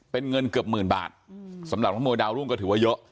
เป็นเงินเกือบหมื่นบาทสำหรับนักมวยดาวรุ่งก็ถือว่าเยอะ